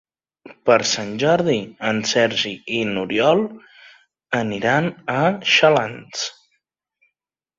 Per Sant Jordi en Sergi i n'Oriol aniran a Xalans.